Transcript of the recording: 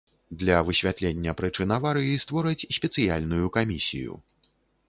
Для высвятлення прычын аварыі створаць спецыяльную камісію.